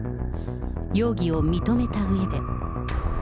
容疑を認めたうえで。